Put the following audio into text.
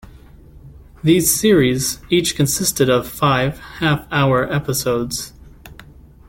These series each consisted of five half-hour episodes.